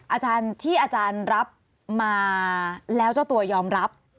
อาจารย์ที่อาจารย์รับมาแล้วเจ้าตัวยอมรับ